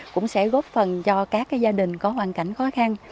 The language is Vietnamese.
cũng sẽ góp phần cho các gia đình có hoàn cảnh khó khăn